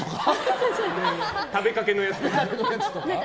食べかけのやつとか？